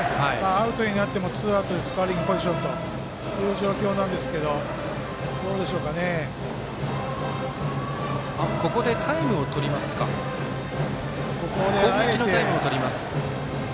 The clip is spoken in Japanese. アウトになってもツーアウトでスコアリングポジションという状況なんですけれどもここでタイムをとりますか。